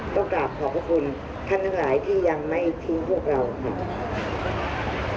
กราบขอบพระคุณท่านทั้งหลายที่ยังไม่ทิ้งพวกเราค่ะ